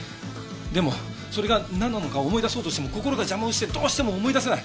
でもそれがなんなのか思い出そうとしても心が邪魔をしてどうしても思い出せない。